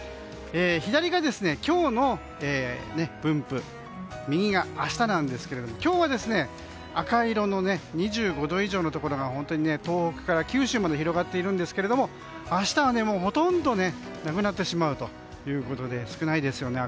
左が今日の分布右が明日なんですけれども今日は赤色の２５度以上のところが本当に、東北から九州まで広がっているんですけれども明日はほとんどなくなってしまうということで少ないですよね。